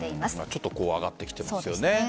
ちょっと上がってきていますね。